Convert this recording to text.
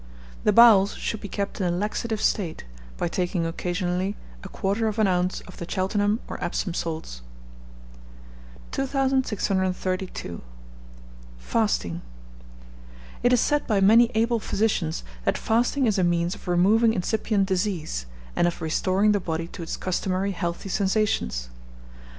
The bowels should be kept in a laxative state, by taking occasionally a quarter of an ounce of the Cheltenham or Epsom salts. 2632. FASTING. It is said by many able physicians that fasting is a means of removing incipient disease, and of restoring the body to its customary healthy sensations.